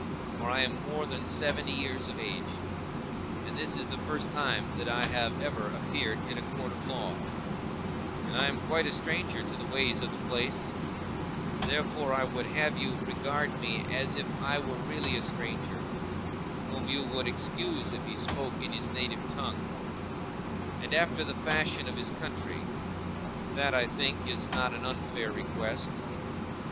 For I am more than seventy years of age, and this is the first time that I have ever appeared in a court of law, and I am quite a stranger to the ways of the place; and therefore I would have you regard me as if I were really a stranger, whom you would excuse if he spoke in his native tongue, and after the fashion of his country: that I think is not an unfair request.